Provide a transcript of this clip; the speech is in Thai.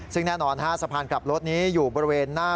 ซึ่งแน่นอนสะพานกลับรถนี้อยู่บริเวณหน้า